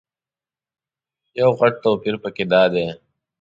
یو غټ توپیر په کې دادی.